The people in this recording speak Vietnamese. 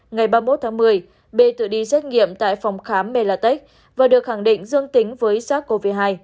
ngày ba mươi một tháng một mươi b tự đi xét nghiệm tại phòng khám melatech và được khẳng định dương tính với sars cov hai